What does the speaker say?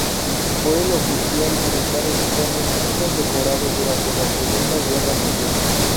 Fue el oficial militar estonio más condecorado durante la Segunda Guerra Mundial.